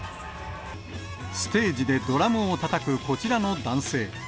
ステージでドラムをたたく、こちらの男性。